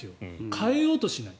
変わろうとしない。